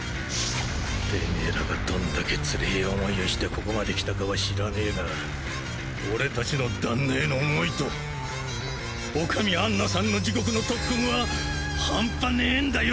テメエらがどんだけつれぇ思いをしてここまで来たかは知らねえが俺たちの旦那への思いとオカミアンナさんの地獄の特訓はハンパねえんだよ。